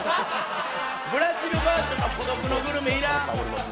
ブラジルバージョンの『孤独のグルメ』いらん！